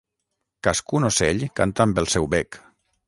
Cascun ocell canta amb el seu bec.